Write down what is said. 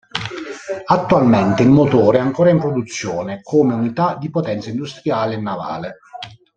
Attualmente il motore è ancora in produzione come unità di potenza industriale e navale.